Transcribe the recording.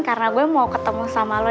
karena gue mau ketemu sama lo